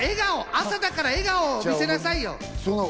朝だから笑顔を見せてくださいよ！